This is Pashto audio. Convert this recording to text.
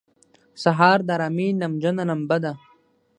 سهار د آرامۍ نمجنه لمبه ده.